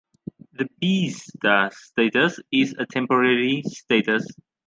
The Be star status is a temporary status.